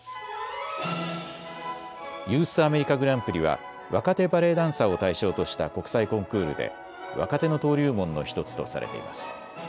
ユース・アメリカ・グランプリは若手バレエダンサーを対象とした国際コンクールで若手の登竜門の１つとされています。